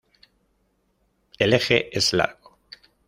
El eje es largo.